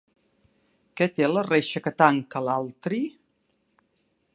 Què té la reixa que tanca l'atri?